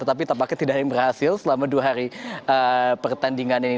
tapi tampaknya tidak yang berhasil selama dua hari pertandingan ini